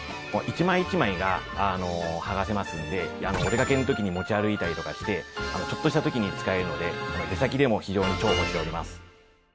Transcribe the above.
１枚１枚が剥がせますのでお出かけの時に持ち歩いたりとかしてちょっとした時に使えるので出先でも非常に重宝しております。